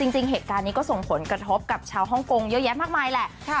จริงเหตุการณ์นี้ก็ส่งผลกระทบกับชาวฮ่องกงเยอะแยะมากมายแหละ